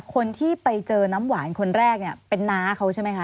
คนที่ไปเจอน้ำหวานคนแรกเนี่ยเป็นน้าเขาใช่ไหมคะ